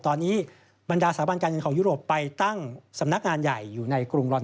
ตอนนี้บริษัทคได้ไปตั้งสำนักงานใหญ่อยู่ในกรุงรอนดอน